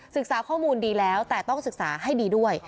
ข้อมูลดีแล้วแต่ต้องศึกษาให้ดีด้วย